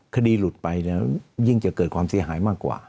คดีหลุดไปยิ่งจะเกิดความเสียหายมากกว่า